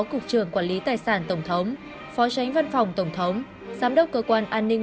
cục trưởng quản lý tài sản tổng thống phó tránh văn phòng tổng thống giám đốc cơ quan an ninh